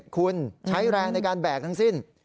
คุณใช้แรงในการแบกทั้งสิ้น